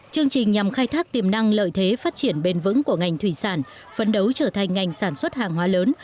chương trình nhằm khai thác tiềm năng lợi thế phát triển bền vững của ngành thủy sản phấn đấu trở thành ngành sản xuất hàng hóa lớn